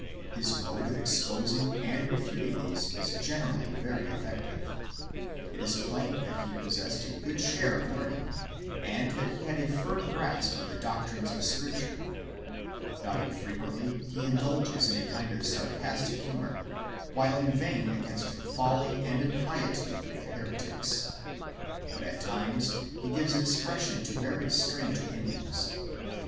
His mode of exposing and refuting these is gene rally very effective. It is plain that he possessed a good share of learning, and that he had a firm grasp of the doctrines of Scripture. Not unfrequently he indulges in a kind of sar castic humour, while inveighing against the folly and impiety of the heretics. But at tim.es he gives expression to very strange opinions.